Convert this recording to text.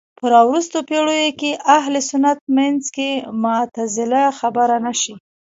په راوروسته پېړيو کې اهل سنت منځ کې معتزله خبره نه شي